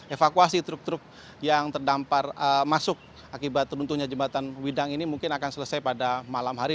evakuasi truk truk yang terdampar masuk akibat terbentuknya jembatan widang ini mungkin akan selesai pada malam hari